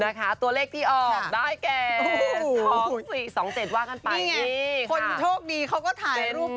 ตัวเลขที่ออกได้แก่๒๗ว่ากันไปนี่ไงคนโชคดีเขาก็ถ่ายรูป